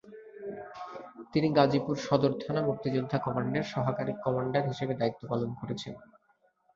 তিনি গাজীপুর সদর থানা মুক্তিযোদ্ধা কমান্ডের সহকারী কমান্ডার হিসেবে দায়িত্ব পালন করেছেন।